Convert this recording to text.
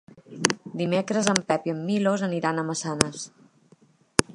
Dimecres en Pep i en Milos aniran a Massanes.